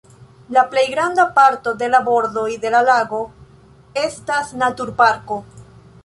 La plejgranda parto de la bordoj de la lago estas naturparko.